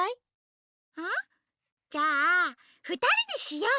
あっじゃあふたりでしよう！